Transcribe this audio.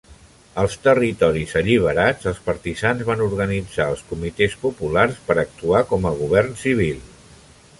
Als territoris alliberats, els partisans van organitzar els comitès populars per actuar com a govern civil.